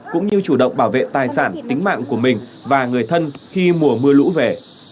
cũng như chủ động bảo vệ tài sản tính mạng của mình và người thân khi mùa mưa lũ về